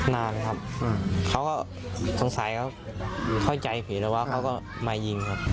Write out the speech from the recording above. นานครับเขาก็ภาษาเขาใจผิดหรือว่าเขาก็มายิงครับ